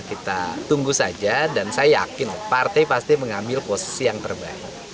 kita tunggu saja dan saya yakin partai pasti mengambil posisi yang terbaik